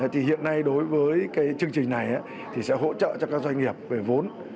thì hiện nay đối với cái chương trình này thì sẽ hỗ trợ cho các doanh nghiệp về vốn